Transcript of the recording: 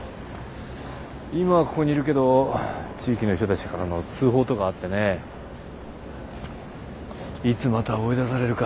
今はここにいるけど地域の人たちからの通報とかあってねいつまた追い出されるか。